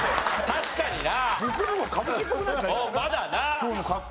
確かにな。